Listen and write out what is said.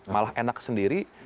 malah enak sendiri